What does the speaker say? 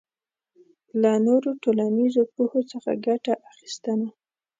له نورو ټولنیزو پوهو څخه ګټه اخبستنه